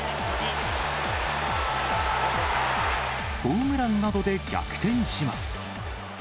ホームランなどで逆転します。